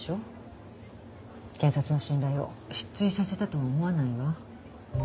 検察の信頼を失墜させたとは思わないわ。